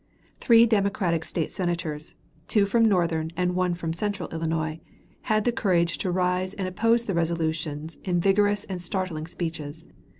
Three Democratic State Senators, two from northern and one from central Illinois, had the courage to rise and oppose the resolutions in vigorous and startling speeches.